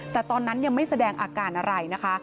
แต่ตอนนั้นยังไม่แสดงอาการอะไรนะคะ